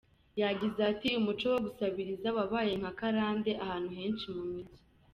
Yagize ati “Umuco wo gusabiriza wabaye nka karande ahantu henshi mu mijyi.